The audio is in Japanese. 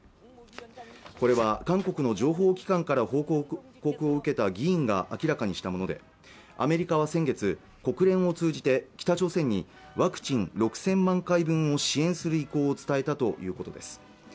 これは韓国の情報機関から報告を受けた議員が明らかにしたものでアメリカは先月国連を通じて北朝鮮にワクチン６０００万回分を支援する意向を伝えたということです